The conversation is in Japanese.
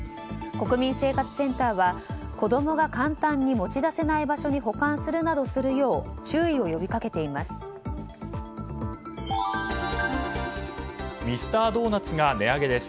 国民生活センターは子供が簡単に持ち出せない場所に保管するなどするよう注意を呼び掛けています。